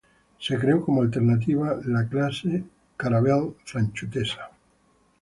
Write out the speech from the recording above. Se creó como alternativa a la clase Caravelle francesa.